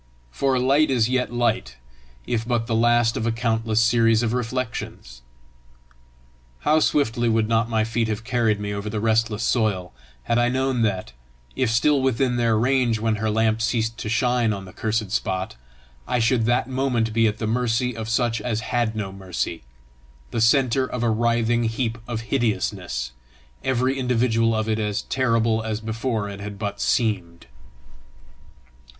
For light is yet light, if but the last of a countless series of reflections! How swiftly would not my feet have carried me over the restless soil, had I known that, if still within their range when her lamp ceased to shine on the cursed spot, I should that moment be at the mercy of such as had no mercy, the centre of a writhing heap of hideousness, every individual of it as terrible as before it had but seemed!